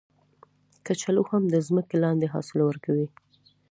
کچالو هم د ځمکې لاندې حاصل ورکوي